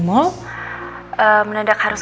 mal menandak harus